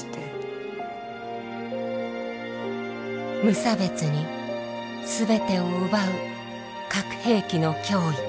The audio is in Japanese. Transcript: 無差別に全てを奪う核兵器の脅威。